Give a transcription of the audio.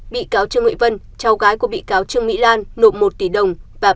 bị cáo trương huệ vân cháu gái của bị cáo trương mỹ lan nộp một tỷ đồng và ba usd